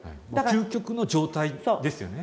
究極の状態ですよね。